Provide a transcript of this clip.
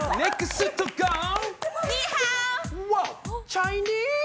チャイニーズ？